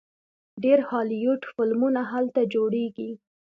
ډیر هالیوډ فلمونه هلته جوړیږي.